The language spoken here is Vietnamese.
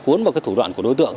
cuốn vào cái thủ đoạn của đối tượng